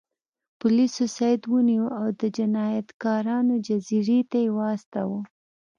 پولیسو سید ونیو او د جنایتکارانو جزیرې ته یې واستاوه.